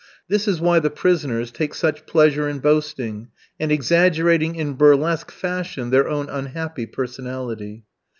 This is why the prisoners take such pleasure in boasting and exaggerating in burlesque fashion their own unhappy personality.